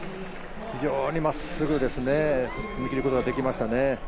非常に真っすぐ踏み切ることができましたね。